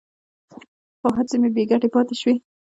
خو هڅې مې بې ګټې پاتې شوې.